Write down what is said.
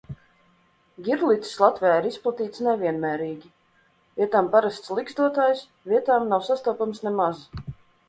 Ģirlicis Latvijā ir izplatīts nevienmērīgi – vietām parasts ligzdotājs, vietām nav sastopams nemaz.